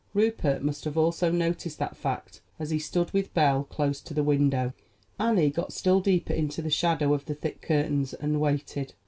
Rupert must have also noticed that fact as he stood with Belle close to the window. Annie got still deeper into the shadow of the thick curtains, and waited.